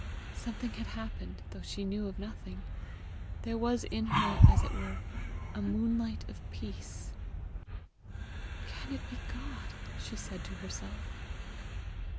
Something had happened, though she knew of nothing! There was in her as it were a moonlight of peace! "Can it be God?" she said to herself.